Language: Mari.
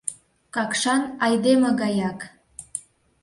Какшан айдеме гаяк.